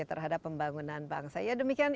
terhadap pembangunan bangsa demikian